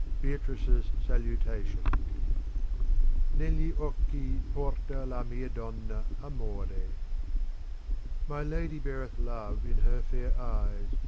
"^) BEATRICE S SALUTATION Negli occhi porta la mia donna Amort My Lady beareth Love in her fair eyes.